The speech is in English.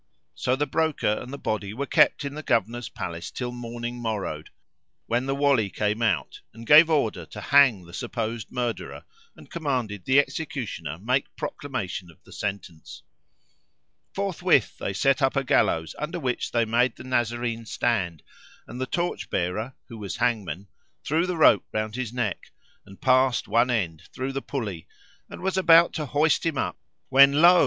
So the Broker and the body were kept in the Governor's place till morning morrowed, when the Wali came out and gave order to hang the supposed murderer and commanded the executioner[FN#508] make proclamation of the sentence. Forthwith they set up a gallows under which they made the Nazarene stand and the torch bearer, who was hangman, threw the rope round his neck and passed one end through the pulley, and was about to hoist him up[FN#509] when lo!